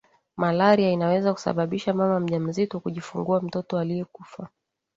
malaria inaweza kusababisha mama mjamzito kujifungua mtoto aliyekufa